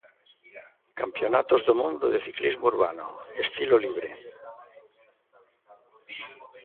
Campionatos do Mundo de ciclismo urbano, estilo libre.